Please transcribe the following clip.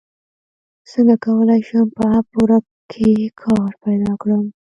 څنګه کولی شم په اپ ورک کې کار پیدا کړم